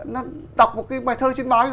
nó đọc một cái bài thơ trên máu